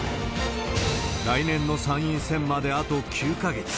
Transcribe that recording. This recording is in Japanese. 来年の参院選まであと９か月。